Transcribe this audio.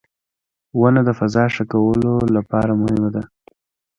• ونه د فضا ښه کولو لپاره مهمه ده.